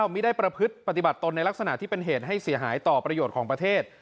มีได้ประพฤษปฏิบัติตนและลักษณะถึงเพื่อเหตุให้เสี่ยหายต่อประโยชน์ของประเทศ